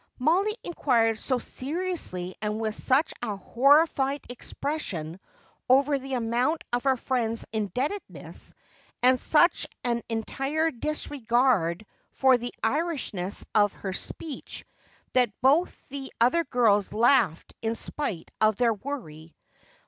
Mollie inquired so seriously and with such a horrified expression over the amount of her friend's indebtedness, and such an entire disregard for the Irishness of her speech, that both the other girls laughed in spite of their worry.